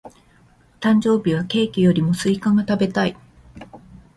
誕生日はケーキよりもスイカが食べたい。